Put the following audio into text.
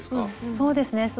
そうです。